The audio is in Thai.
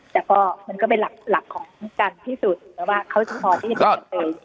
แต่ก็มันก็เป็นหลักหลักของทุกการที่สูตรแต่ว่าเขาจะพอที่จะเตย